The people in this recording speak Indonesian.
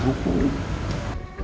iya pak ustadz